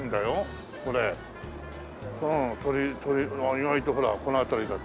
意外とほらこの辺りだと。